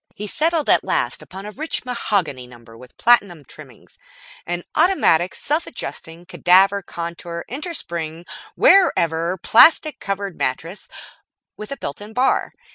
He settled at last upon a rich mahogany number with platinum trimmings, an Automatic Self Adjusting Cadaver contour Innerspring Wearever Plastic Covered Mattress with a built in bar.